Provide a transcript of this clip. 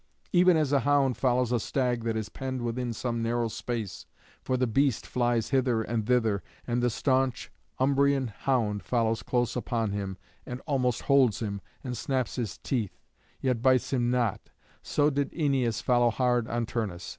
Even as a hound follows a stag that is penned within some narrow space, for the beast flees hither and thither, and the staunch Umbrian hound follows close upon him, and almost holds him, and snaps his teeth, yet bites him not, so did Æneas follow hard on Turnus.